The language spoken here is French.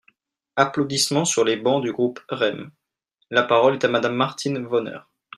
(Applaudissements sur les bancs du groupe REM.) La parole est à Madame Martine Wonner.